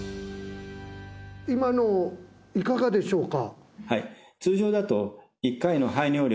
今のいかがでしょうか？